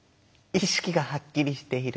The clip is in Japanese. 「意識がはっきりしている」。